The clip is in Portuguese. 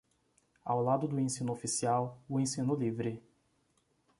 Ao lado do ensino oficial, o ensino livre.